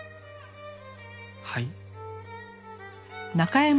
はい？